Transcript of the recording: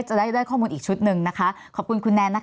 จะได้ได้ข้อมูลอีกชุดหนึ่งนะคะขอบคุณคุณแนนนะคะ